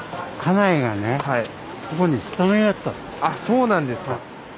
あっそうなんですか。